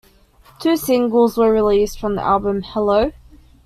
Two singles were released from the album: Hello?